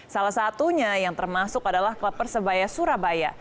salah satunya yang termasuk adalah klub persebaya surabaya